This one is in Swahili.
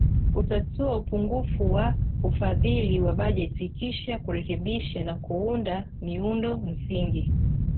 Kutatua upungufu wa ufadhili wa bajeti kisha kurekebisha na kuunda miundo msingi